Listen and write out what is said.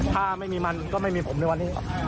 ถ้าไม่มีมันก็ไม่มีผมในวันนี้